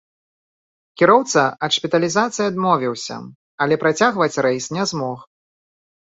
Кіроўца ад шпіталізацыі адмовіўся, але працягваць рэйс не змог.